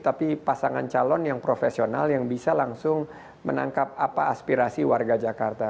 tapi pasangan calon yang profesional yang bisa langsung menangkap apa aspirasi warga jakarta